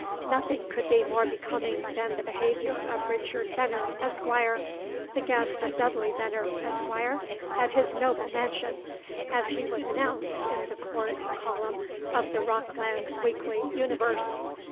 Nothing could be more becoming than the behavior of "Richard Venner, Esquire, the guest of Dudley Venner, Esquire, at his noble mansion," as he was announced in the Court column of the "Rockland Weekly Universe."